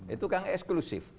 itu kan eksklusif